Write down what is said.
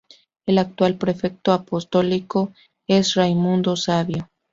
El actual prefecto apostólico es Raymundo Sabio.